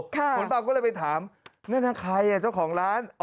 คนเบาก็เลยไปถามนั่นนะใครเจ้าของร้าน